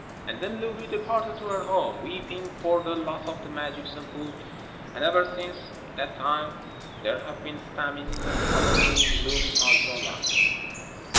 And then Louhi departed to her home, weeping for the loss of the magic Sampo, and ever since that time there have been famines and poverty in gloomy Pohjola.